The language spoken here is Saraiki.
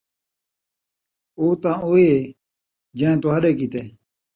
او تاں او ہے جَیں تُہاݙے کیتے